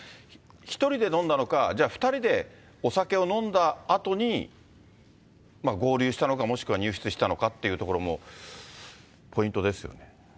１人で飲んだのか、じゃあ、２人でお酒を飲んだあとに合流したのか、もしくは入室したのかというところもポイントですよね。